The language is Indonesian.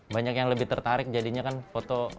banyak yang lebih tertarik jadinya kan foto